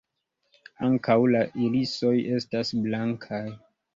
Ankaŭ la irisoj estas blankaj.